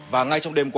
và ngay trong đêm qua